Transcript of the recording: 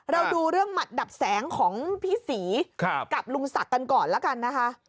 เราดูเรื่องหมัดดับแสงของพี่ศรีกับลุงศักดิ์กันก่อนละกันนะคะ